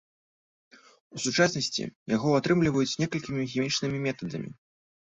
У сучаснасці яго атрымліваюць некалькім хімічнымі метадамі.